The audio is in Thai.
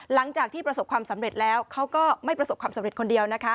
หลังจากที่ประสบความสำเร็จแล้วเขาก็ไม่ประสบความสำเร็จคนเดียวนะคะ